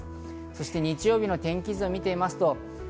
そして日曜日の天気図を見てみます。